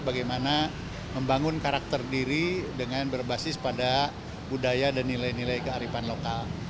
bagaimana membangun karakter diri dengan berbasis pada budaya dan nilai nilai kearifan lokal